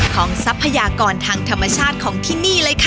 ทรัพยากรทางธรรมชาติของที่นี่เลยค่ะ